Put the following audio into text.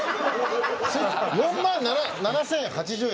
４万７，０８０円。